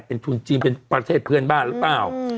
เป็นทุนจีนเป็นประเทศเพื่อนบ้านหรือเปล่า